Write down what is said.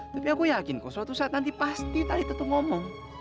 tapi aku yakin kok suatu saat nanti pasti tali tetu ngomong